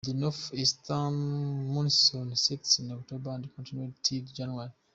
North-East monsoon sets in October and continues till January.